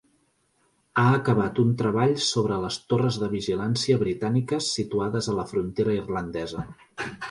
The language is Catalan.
Ha acabat un treball sobre les torres de vigilància britàniques situades a la frontera irlandesa.